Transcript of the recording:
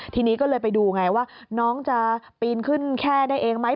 ทีนี้ก็เลยไปดูไงว่าน้องจะปีนขึ้นแค่ได้เองไหม